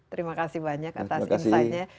terima kasih banyak atas insightnya